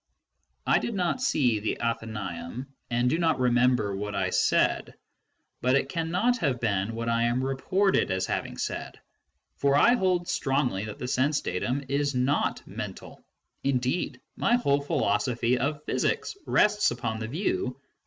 I did not see the Athenaeum, and do not remember what I said, but it can not have been what I am reported as having said, for I hold strongly that the sense datum is not mental ŌĆö indeed my whole philosophy of physics rests upon the view that i Volume XII.